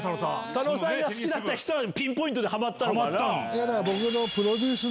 佐野さんが好きだった人はピンポイントでハマったんだな。